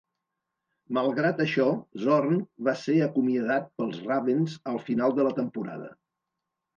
Malgrat això, Zorn va ser acomiadat pels Ravens al final de la temporada.